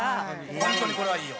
ホントにこれはいいよ。